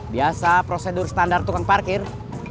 biasa prosedur standar tukang parkir